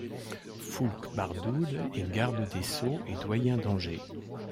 Foulque Bardoul est garde des Sceaux et doyen d'Angers.